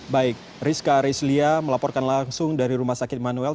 baik rizka arislia melaporkan langsung dari rumah sakit manuel